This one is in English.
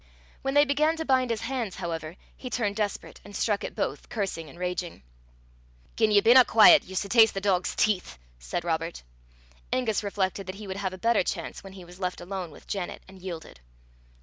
When they began to bind his hands, however, he turned desperate, and struck at both, cursing and raging. "Gien ye binna quaiet, ye s' taste the dog's teeth," said Robert. Angus reflected that he would have a better chance when he was left alone with Janet, and yielded.